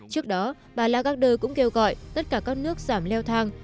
trước đó bà lagarder cũng kêu gọi tất cả các nước giảm leo thang